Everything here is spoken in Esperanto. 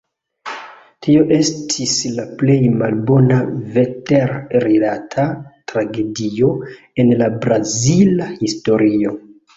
Tio estis la plej malbona veter-rilata tragedio en la brazila historio.